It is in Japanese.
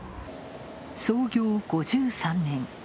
創業５３年。